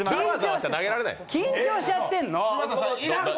緊張しちゃってるの。